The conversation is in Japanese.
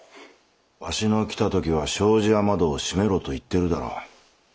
わしの来た時は障子雨戸を閉めろと言っているだろう。